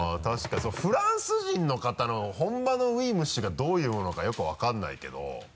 確かにそうフランス人の方の本場の「ウィムッシュ」がどういうものなのかよく分からないけど。